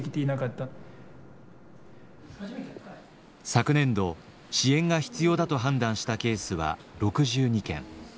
昨年度支援が必要だと判断したケースは６２件。